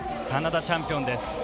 カナダチャンピオンです。